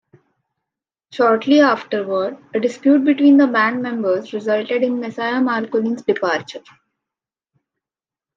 Shortly afterward, a dispute between the band members resulted in Messiah Marcolin's departure.